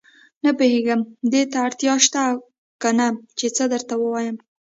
نه پوهېږم دې ته اړتیا شته او کنه چې څه درته ووايم.